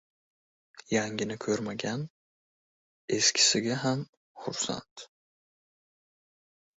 • Yangini ko‘rmagan eskisiga ham xursand.